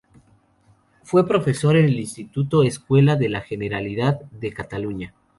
Fue profesor en el Instituto Escuela de la Generalidad de Cataluña.